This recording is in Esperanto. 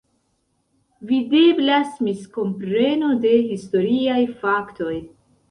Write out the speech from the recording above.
Videblas miskompreno de historiaj faktoj.